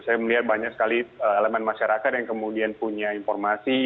saya melihat banyak sekali elemen masyarakat yang kemudian punya informasi